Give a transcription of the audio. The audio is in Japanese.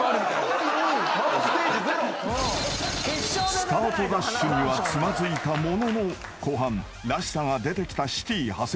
［スタートダッシュにはつまずいたものの後半らしさが出てきたシティ長谷川］